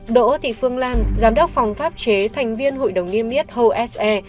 đỗ thị phương lan giám đốc phòng pháp chế thành viên hội đồng niêm yết hồ s e